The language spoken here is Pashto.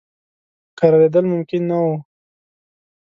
کرارېدل ممکن نه وه.